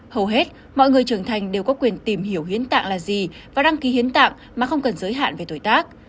hầu hết mọi người trưởng thành đều có quyền tìm hiểu hiến tạng là gì và đăng ký hiến tạng mà không cần giới hạn về tuổi tác